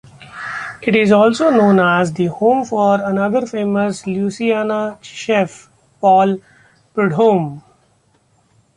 It is also known as the home for another famous Louisiana chef, Paul Prudhomme.